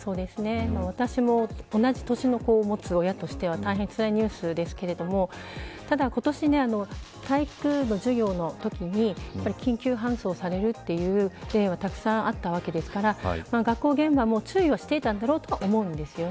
私も同じ年の子を持つ親としてはつらいニュースですがただ、今年は体育の授業の時に緊急搬送されるという例はたくさんあったわけですから学校現場も注意していたと思います。